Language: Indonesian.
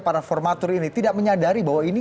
para formatur ini tidak menyadari bahwa ini